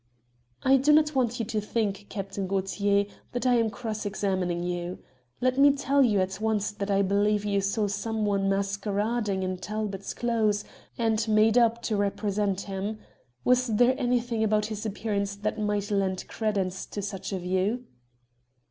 "I do not want you to think, Captain Gaultier, that I am cross examining you. Let me tell you at once that I believe you saw someone masquerading in Talbot's clothes, and made up to represent him. Was there anything about his appearance that might lend credence to such a view?"